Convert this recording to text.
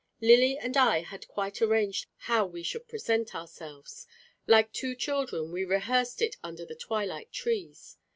Lily and I had quite arranged how we should present ourselves. Like two children we rehearsed it under the twilight trees.